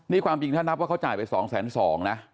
นี่ความจริงถ้านับว่าเขาจ่ายไป๒๒๐๐นะ